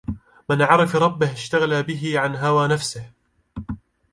من عرف ربه اشتغل به عن هوى نفسه.